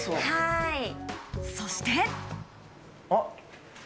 そして。